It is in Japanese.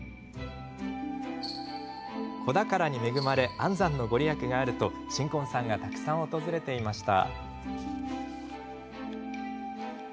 子宝に恵まれ安産の御利益があると新婚さんがたくさん訪れていました。